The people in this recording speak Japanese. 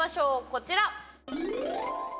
こちら。